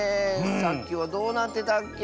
さっきはどうなってたっけ？